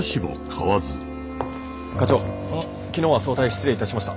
課長昨日は早退失礼いたしました。